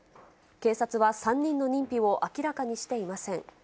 警察は３人の認否を明らかにしていません。